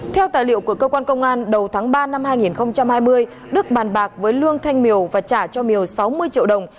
theo tài liệu của cơ quan công an đầu tháng ba năm hai nghìn hai mươi đức bàn bạc với lương thanh miều và trả cho miều sáu mươi triệu đồng